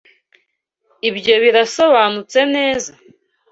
Ibyo birasobanutse neza?